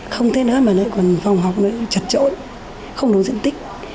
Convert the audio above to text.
không thế nữa mà lại còn phòng học nó chật trội không đủ diện tích